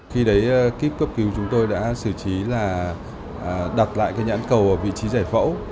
khi đấy kiếp cấp cứu chúng tôi đã xử trí là đặt lại cái nhãn cầu ở vị trí giải phẫu